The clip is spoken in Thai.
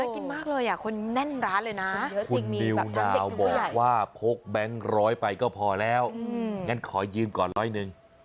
กินมากเลยอ่ะคนแน่นร้านเลยนะเยอะจริงมีนิวนาวบอกว่าพกแบงค์ร้อยไปก็พอแล้วงั้นขอยืมก่อนร้อยหนึ่ง